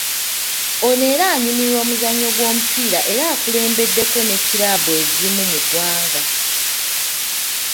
Ono era annyumirwa omuzannyo gw’omupiira era akulembeddeko ne kkiraabu ezimu mu ggwanga.